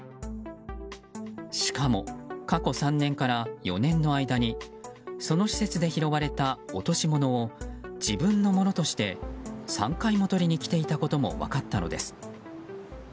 しかも、過去３年から４年の間にその施設で拾われた落とし物を自分のものとして３回も取りに来ていたことも分かったのです。